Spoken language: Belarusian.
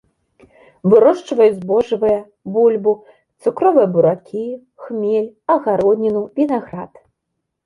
Вырошчваюць збожжавыя, бульбу, цукровыя буракі, хмель, агародніну, вінаград.